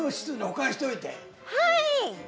はい！